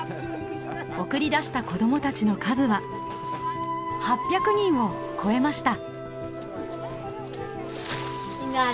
送り出した子どもたちの数は８００人を超えました。